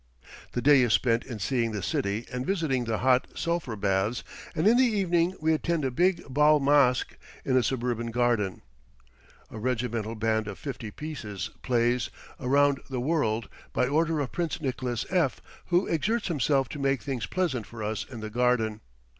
The day is spent in seeing the city and visiting the hot sulphur baths and in the evening we attend a big bal masque in a suburban garden. A regimental band of fifty pieces plays "Around the World," by order of Prince Nicholas F, who exerts himself to make things pleasant for us in the garden.